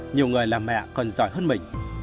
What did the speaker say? nhiều người là mẹ còn giỏi hơn mình